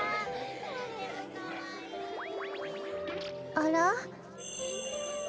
あら？